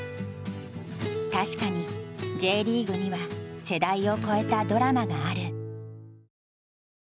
確かにＪリーグには世代を超えたドラマがある。